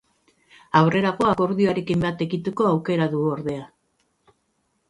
Aurrerago akordioarekin bat egiteko aukera du, ordea.